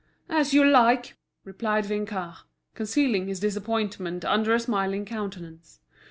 "As you like," replied Vinçard, concealing his disappointment under a smiling countenance.